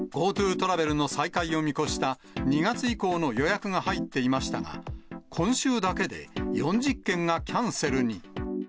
ＧｏＴｏトラベルの再開を見越した２月以降の予約が入っていましたが、今週だけで４０件がキャンセルに。